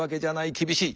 厳しい。